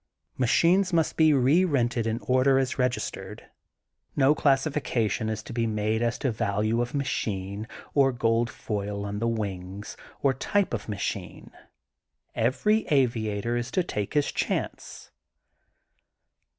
Machines must be re rented in order as registered. No classification to be made as to value of ma chine, or gold foil on the wings, or type of macliine: — every aviator to take his chance.